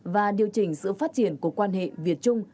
và điều chỉnh sự phát triển của quan hệ việt trung